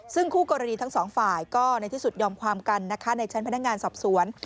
ซึ่งคู่กรณีทั้งสองฝ่ายก็ในที่สุดยอมความกันนะคะในชั้นพนักงานสอบสวน